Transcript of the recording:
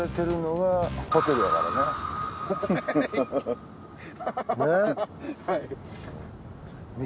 はい。